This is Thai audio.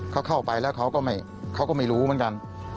เขาเข้าไปแล้วเขาก็ไม่รู้เหมือนกัน